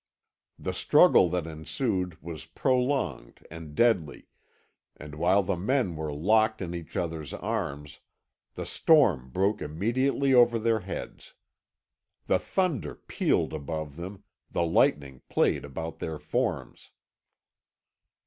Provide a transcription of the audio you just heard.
The struggle that ensued was prolonged and deadly, and while the men were locked in each other's arms, the storm broke immediately over their heads. The thunder pealed above them, the lightning played about their forms.